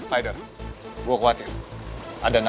ambil ih dimana